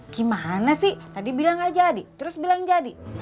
gimana sih tadi bilang gak jadi terus bilang jadi